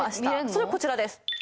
それがこちらです